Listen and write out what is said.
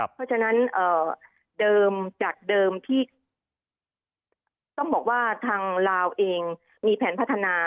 เพราะฉะนั้นเดิมจากเดิมที่ต้องบอกว่าทางลาวเองมีแผนพัฒนา